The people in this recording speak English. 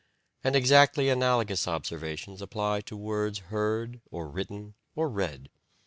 And exactly analogous observations apply to words heard or written or read.